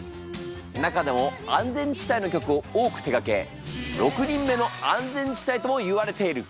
中でも安全地帯の曲を多く手がけ６人目の安全地帯ともいわれている。